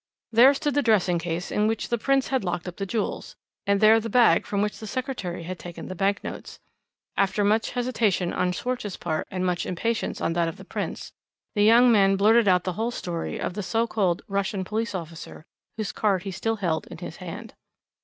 "There stood the dressing case in which the Prince had locked up the jewels, and there the bag from which the secretary had taken the bank notes. After much hesitation on Schwarz's part and much impatience on that of the Prince, the young man blurted out the whole story of the so called Russian police officer whose card he still held in his hand.